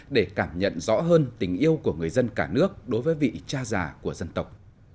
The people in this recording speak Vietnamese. để cảm nhận rõ hơn tình yêu của người dân cả nước đối với vị cha già của dân tộc